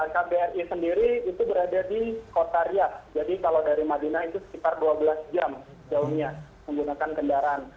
kbri sendiri itu berada di kota ria jadi kalau dari madinah itu sekitar dua belas jam jauhnya menggunakan kendaraan